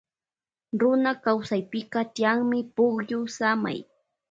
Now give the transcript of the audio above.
Runa kawsaypika tiyanmi pukyu samay.